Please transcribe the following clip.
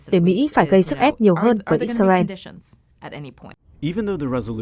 để mỹ phải gây sức ép nhiều hơn với israel